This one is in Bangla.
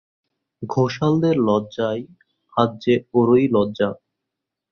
ঘোষালদের লজ্জায় আজ যে ওরই লজ্জা।